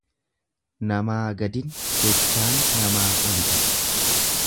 Namaa gadin jechaan namaa olidha.